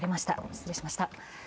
失礼しました。